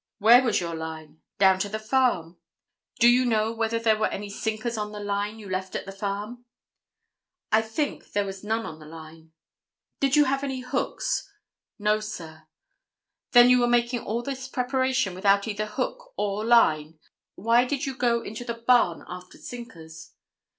"Where was your line?" "Down to the farm." "Do you know whether there were any sinkers on the line you left at the farm?" "I think there was none on the line." "Did you have any hooks?" "No, sir." "Then you were making all this preparation without either hook or line. Why did you go into the barn after sinkers?"